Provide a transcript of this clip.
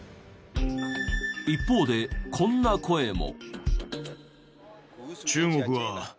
一方でこんな声も。